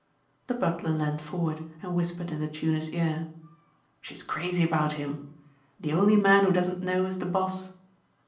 The butler leaned forward and whispered in the tuner's ear, "She's crazy about him. The only man who doesn't know is the boss.